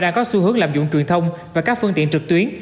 đang có xu hướng lạm dụng truyền thông và các phương tiện trực tuyến